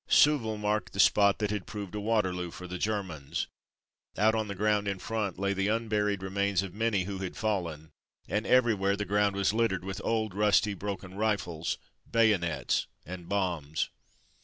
Souville marked the spot that had proved a V/aterloo for the Germans. Out on the ground in front lay the unburied remains of many who had fallen, and everywhere the ground was littered with old, rusty, broken rifles, bayonets, and bombs.